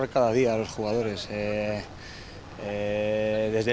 pemain ini adalah pemain yang harus dipakai